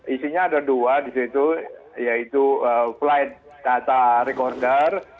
isinya ada dua disitu yaitu flight data recorder